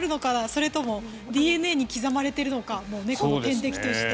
それともＤＮＡに刻まれているのか猫の天敵として。